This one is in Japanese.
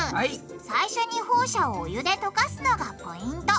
最初にホウ砂をお湯で溶かすのがポイント！